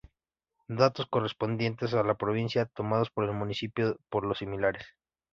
Datos correspondientes a la provincia, tomados por el municipio por ser similares.